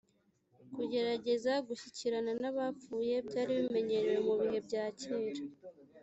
kugerageza gushyikirana n abapfuye byari bimenyerewe mu bihe bya kera